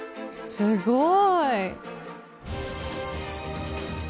すごい。